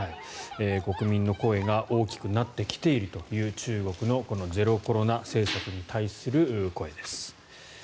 国民の声が大きくなってきているという中国のゼロコロナ政策に対する声です。